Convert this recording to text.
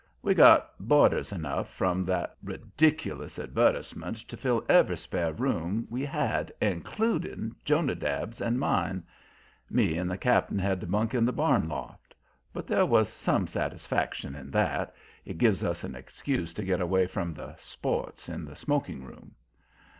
We got boarders enough from that ridiculous advertisement to fill every spare room we had, including Jonadab's and mine. Me and the cap'n had to bunk in the barn loft; but there was some satisfaction in that it give us an excuse to get away from the "sports" in the smoking room.